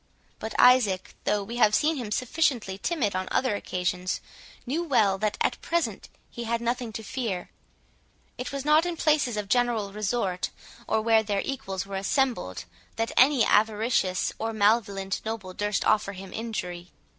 But Isaac, though we have seen him sufficiently timid on other occasions, knew well that at present he had nothing to fear. It was not in places of general resort, or where their equals were assembled, that any avaricious or malevolent noble durst offer him injury.